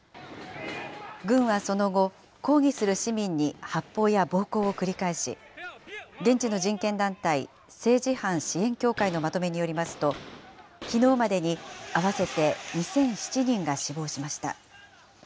軍はその後、抗議する市民に発砲や暴行を繰り返し、現地の人権団体、政治犯支援協会のまとめによりますと、きのうまでに合わせて２００７人が死亡しました。